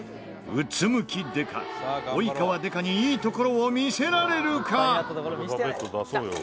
うつむきデカ及川デカにいいところを見せられるか？